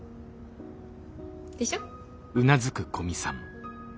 でしょ？